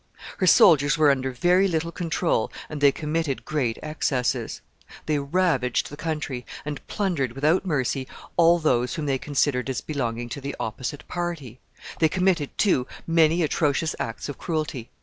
Her soldiers were under very little control, and they committed great excesses. They ravaged the country, and plundered without mercy all those whom they considered as belonging to the opposite party; they committed, too, many atrocious acts of cruelty.